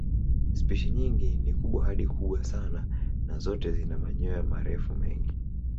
Spishi nyingi ni kubwa hadi kubwa sana na zote zina manyoya marefu mengi.